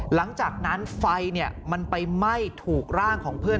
หลังจากนั้นไฟมันไปไหม้ถูกร่างของเพื่อน